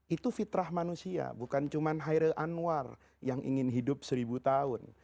itu fitrah manusia bukan cuma hairil anwar yang ingin hidup seribu tahun